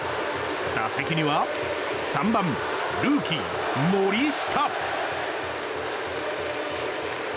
打席には３番、ルーキー森下。